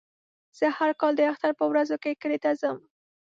زه هر کال د اختر په ورځو کې کلي ته ځم.